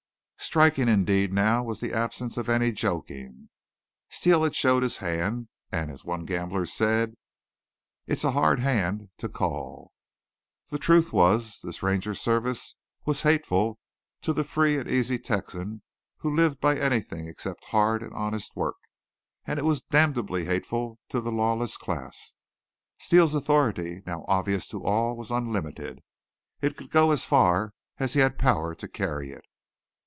Striking indeed now was the absence of any joking. Steele had showed his hand, and, as one gambler said: "It's a hard hand to call." The truth was, this Ranger Service was hateful to the free and easy Texan who lived by anything except hard and honest work, and it was damnably hateful to the lawless class. Steele's authority, now obvious to all, was unlimited; it could go as far as he had power to carry it.